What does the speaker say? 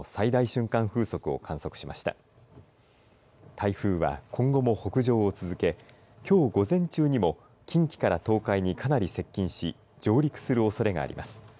台風は今後も北上を続けきょう午前中にも近畿から東海にかなり接近し上陸するおそれがあります。